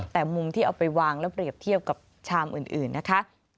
แต่มุมที่เอาไปวางแล้วเปรียบเทียบกับชามอื่นนะคะ